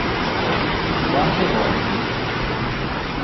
Quanto vole tu?